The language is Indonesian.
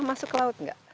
masuk ke laut nggak